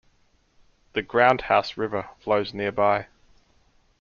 The Groundhouse River flows nearby.